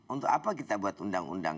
untuk apa kita buat undang undang